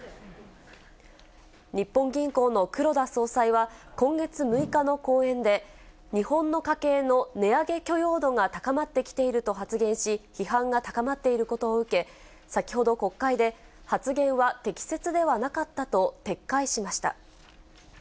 日本銀行の黒田総裁は、今月６日の講演で、日本の家計の値上げ許容度が高まってきていると発言し、批判が高まっていることを受け、先ほど国会で、発言は適切ではなかったと、撤回しました。